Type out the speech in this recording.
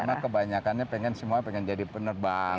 ya memang kebanyakannya pengen semua pengen jadi penerbang